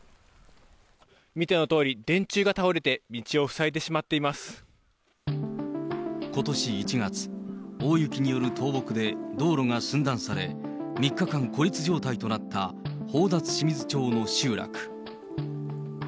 見てのとおり、電柱が倒れて、ことし１月、大雪による倒木で道路が寸断され、３日間孤立状態となった、宝達志水町の集落。